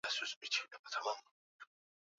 Kundi la M ishirini na tatu liliundwa kutoka kwa